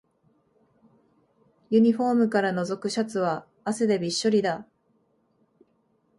ユニフォームからのぞくシャツは汗でびっしょりだ